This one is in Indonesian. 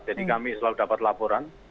jadi kami selalu dapat laporan